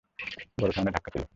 বড় ধরনের ধাক্কা ছিলো।